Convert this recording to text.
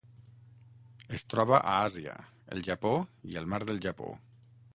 Es troba a Àsia: el Japó i el Mar del Japó.